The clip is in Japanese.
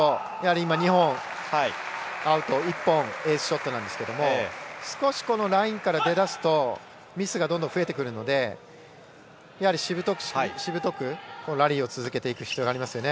今、２本アウト１本がエースショットですが少しラインから出だすとミスが増えてくるのでしぶとくラリーを続けていく必要がありますよね。